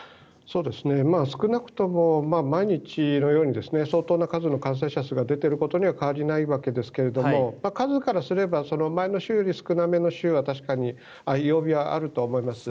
少なくとも毎日のように相当な数の感染者数が出ていることには変わりないわけですけども数からすれば前の週より少なめの週は確かに曜日はあると思います。